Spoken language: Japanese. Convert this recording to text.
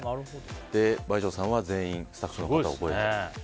倍賞さんは全員スタッフの方を覚えていたと。